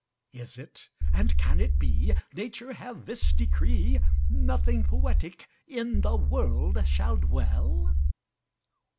Is it, and can it be, Nature hath this decree, Nothing poetic in the world shall dwell?